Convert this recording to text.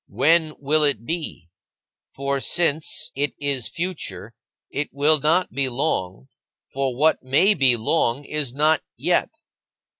When will it be? For since it is future, it will not be long, for what may be long is not yet.